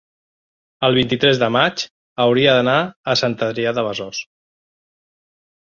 el vint-i-tres de maig hauria d'anar a Sant Adrià de Besòs.